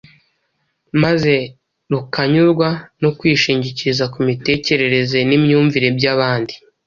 maze rukanyurwa no kwishingikiriza ku mitekerereze n’imyumvire by’abandi.